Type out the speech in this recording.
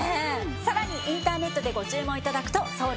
さらにインターネットでご注文頂くと送料無料です。